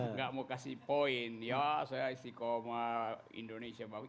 nggak mau kasih poin ya saya istiqomah indonesia bagus